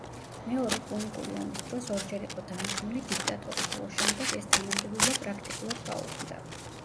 მეორე პუნიკური ომის დროს ორჯერ იყო დანიშნული დიქტატორი, ხოლო შემდეგ ეს თანამდებობა პრაქტიკულად გაუქმდა.